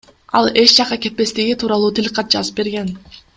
Ал эч жакка кетпестиги тууралуу тил кат жазып берген.